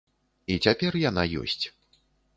І цяпер яна ёсць.